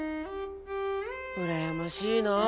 うらやましいなあ。